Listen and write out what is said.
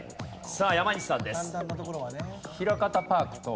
さあ山西さんです。